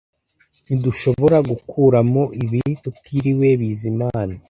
Ntidushobora gukuramo ibi tutiriwe Bizimana